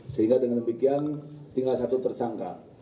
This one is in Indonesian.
sehingga dengan demikian tinggal satu tersangka